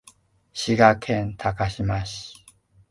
滋賀県高島市